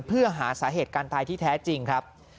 เพื่อหาสาเหตุการตายที่แท้จริงครับ